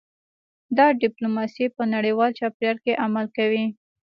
دا ډیپلوماسي په نړیوال چاپیریال کې عمل کوي